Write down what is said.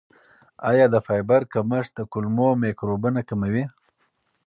آیا د فایبر کمښت د کولمو میکروبونه کموي؟